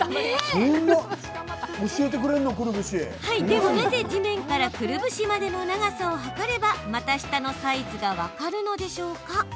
でもなぜ、地面からくるぶしまでの長さを測れば股下のサイズが分かるのでしょうか。